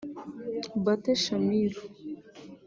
Batte Shamiru